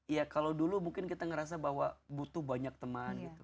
ya kalau dulu mungkin kita ngerasa bahwa butuh banyak teman gitu